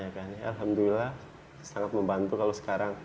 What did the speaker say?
alhamdulillah sangat membantu kalau sekarang